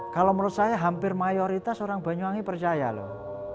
kalau menurut saya hampir mayoritas orang banyuwangi percaya loh